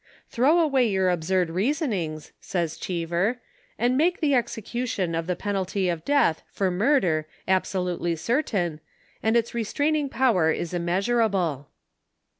" Throw away your absurd rea sonings," says Cheever, and make the execution of the penalty of death for murder absolutely certain, and its restraining power is immeasurable."